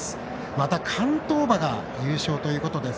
また、関東馬が優勝ということです。